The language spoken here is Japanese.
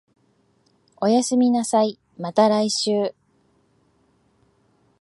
おやすみなさい、また来週